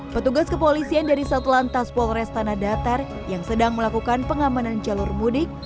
petugas kepolisian dari satelan tas polrestana datar yang sedang melakukan pengamanan jalur mudik